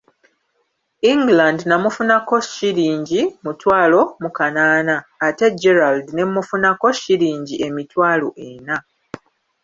England namufunako shillingi mutwalo mu kanaana, ate Gerald ne mmufunako shillingi emitwalo ena.